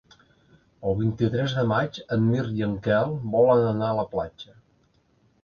El vint-i-tres de maig en Mirt i en Quel volen anar a la platja.